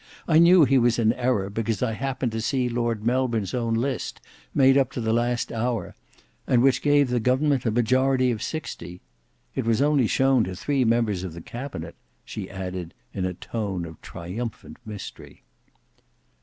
"I knew he was in error; because I had happened to see Lord Melbourne's own list, made up to the last hour; and which gave the government a majority of sixty. It was only shown to three members of the cabinet," she added in a tone of triumphant mystery.